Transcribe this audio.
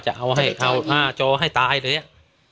จะเอาให้เขาท่าโจให้ตายเหรียบ